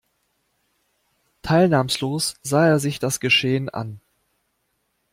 Teilnahmslos sah er sich das Geschehen an.